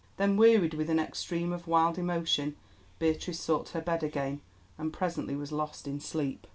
Then wearied with an extreme of wild emotion Beatrice sought her bed again and presently was lost in sleep.